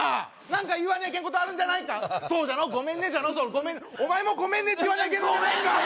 何か言わないけんことあるんじゃないんかそうじゃろごめんねじゃろお前もごめんねって言わなごめんね！